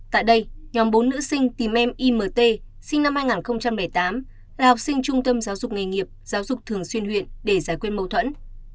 tại đây nhóm bốn nữ sinh tìm em imt sinh năm hai nghìn tám là học sinh trung tâm giáo dục nghề nghiệp giáo dục thường xuyên huyện để giải quyết mâu thuẫn